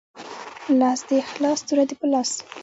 لاس دی خلاص توره دی په لاس